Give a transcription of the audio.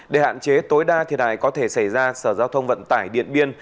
để hạn chế tối đa thiệt hại có thể xảy ra sở giao thông vận tải điện biên